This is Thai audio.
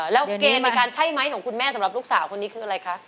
แล้วเกณฑ์ในการใช่ไหมของคุณแม่สำหรับลูกสาวคนนี้คืออะไรคะ